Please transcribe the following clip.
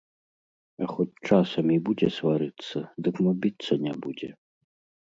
А хоць часам і будзе сварыцца, дык мо біцца не будзе.